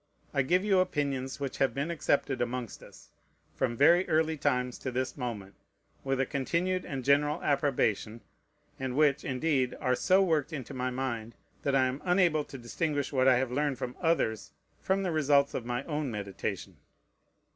I give you opinions which have been accepted amongst us, from very early times to this moment, with a continued and general approbation, and which, indeed, are so worked into my mind that I am unable to distinguish what I have learned from others from the results of my own meditation.